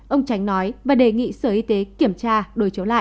ông tránh nói và đề nghị sở y tế kiểm tra đổi chấu lại